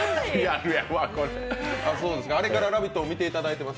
あれから「ラヴィット！」も見ていただいてます？